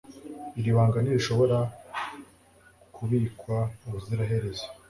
iri banga ntirishobora kubikwa ubuziraherezo